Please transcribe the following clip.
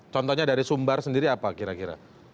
contohnya dari sumbar sendiri apa kira kira